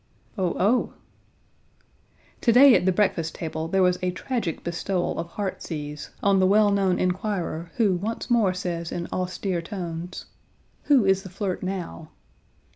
"Oh, oh!" To day at the breakfast table there was a tragic bestowal of heartsease on the well known inquirer who, once more says in austere tones: "Who is the flirt now?"